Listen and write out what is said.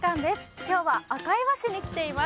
今日は赤磐市に来ています。